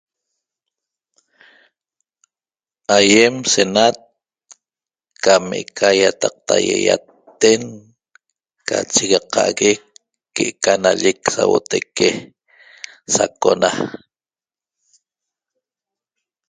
Ayem senat cam eca yataqtague yaten qaq chigaqague que'eca nallic sauotaique sacona